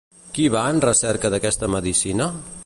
Qui va en recerca d'aquesta medicina?